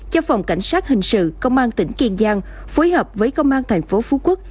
cho phòng cảnh sát hình sự công an tỉnh kiên giang phối hợp với công an thành phố phú quốc